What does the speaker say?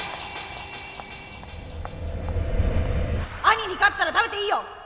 兄に勝ったら食べていいよ